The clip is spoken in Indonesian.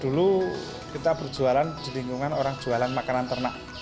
dulu kita berjualan di lingkungan orang jualan makanan ternak